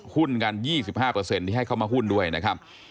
หุ้นกัน๒๕ที่ให้เข้ามาหุ้นด้วยนะครับ